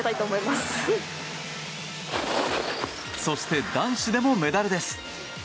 そして、男子でもメダルです。